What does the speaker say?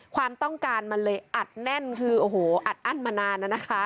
ความต้องการมันเลยอัดแน่นคือโอ้โหอัดอั้นมานานน่ะนะคะ